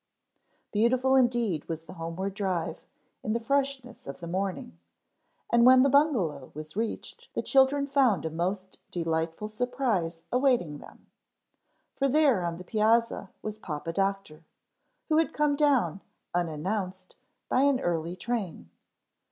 Beautiful indeed was the homeward drive in the freshness of the morning, and when the Bungalow was reached the children found a most delightful surprise awaiting them. For there on the piazza was Papa Doctor, who had come down, unannounced, by an early train.